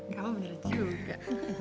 gak mau bener juga